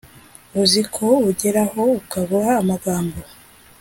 uziko ugeraho ukabura amagambo